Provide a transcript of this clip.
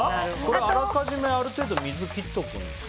あらかじめ、ある程度水を切っておくんですか？